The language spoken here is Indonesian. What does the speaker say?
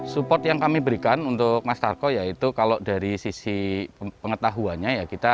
support yang kami berikan untuk mas tarko yaitu kalau dari sisi pengetahuannya ya kita